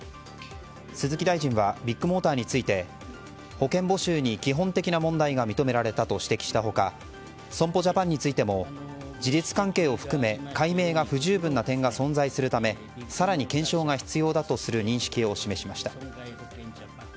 鈴木大臣はビッグモーターについて保険募集に基本的な問題が認められたと指摘した他損保ジャパンについても事実関係も含め解明が不十分な点が存在するため更に検証が必要だとする認識を示しました。